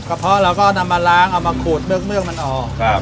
เพาะเราก็นำมาล้างเอามาขูดเบือกมันออก